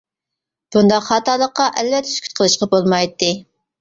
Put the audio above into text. بۇنداق خاتالىققا ئەلۋەتتە سۈكۈت قىلىشقا بولمايتتى.